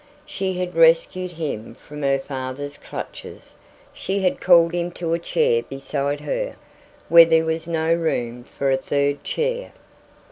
She had rescued him from her father's clutches; she had called him to a chair beside her, where there was no room for a third chair.